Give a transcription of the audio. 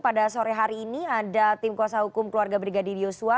pada sore hari ini ada tim kuasa hukum keluarga brigadir yosua